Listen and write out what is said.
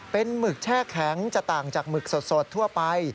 เป็นหมึกแช่แข็งจะต่างจากหมึกสดทั่วไป